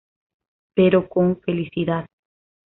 Pero con felicidad.